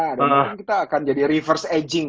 dan mungkin kita akan jadi reverse aging